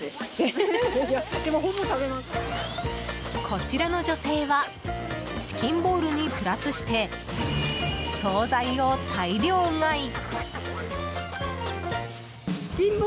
こちらの女性はチキンボールにプラスして総菜を大量買い！